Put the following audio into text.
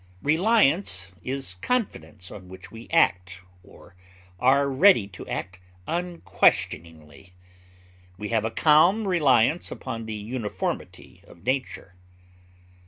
Reliance is confidence on which we act or are ready to act unquestioningly; we have a calm reliance upon the uniformity of nature.